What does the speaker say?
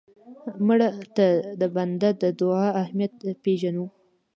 مړه ته د بنده د دعا اهمیت پېژنو